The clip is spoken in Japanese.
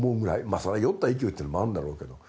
まあそりゃ酔った勢いっていうのもあるんだろうけど。